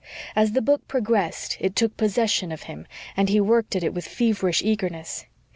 As the book progressed it took possession of him and he worked at it with feverish eagerness.